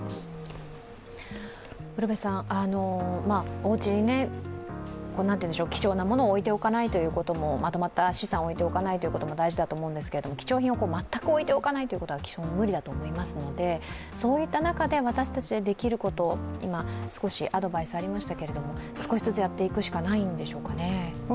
おうちに貴重なものを置いておかないということもまとまった資産を置いておかないというのも大事だと思いますが貴重品を全く置いておかないというのは無理だと思いますのでそういった中で私たちでできること、今、少しアドバイスありましたけど少しずつやっていくしかないんでしょうかね。